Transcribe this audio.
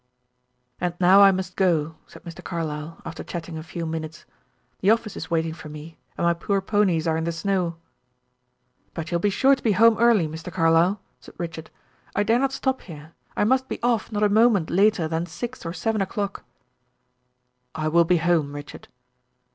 "And now I must go," said Mr. Carlyle, after chatting a few minutes. "The office is waiting for me, and my poor ponies are in the snow." "But you'll be sure to be home early, Mr. Carlyle," said Richard. "I dare not stop here; I must be off not a moment later than six or seven o'clock." "I will be home, Richard."